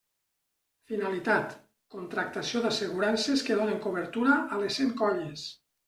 Finalitat: contractació d'assegurances que donen cobertura a les cent colles.